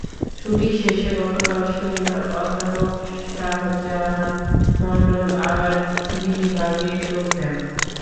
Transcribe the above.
ছুটি শেষে গতকাল শনিবার অধ্যাপক শাহজাহান মণ্ডল আবার বিভাগে যোগ দেন।